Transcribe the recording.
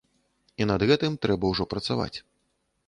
І над гэтым трэба ўжо працаваць.